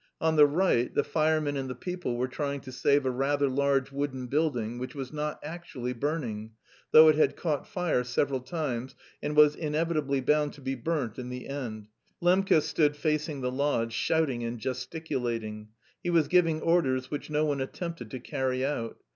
On the right the firemen and the people were trying to save a rather large wooden building which was not actually burning, though it had caught fire several times and was inevitably bound to be burnt in the end. Lembke stood facing the lodge, shouting and gesticulating. He was giving orders which no one attempted to carry out.